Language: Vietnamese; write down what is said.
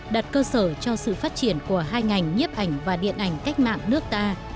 đặt cơ sở cho sự phát triển của hai ngành nhiếp ảnh và điện ảnh cách mạng nước ta